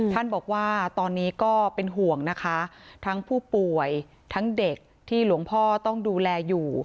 ท่านบอกว่าตอนนี้ก็เป็นห่วงนะคะทั้งผู้ป่วยทั้งเด็กที่หลวงพ่อต้องดูแลอยู่